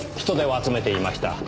人手を集めていました。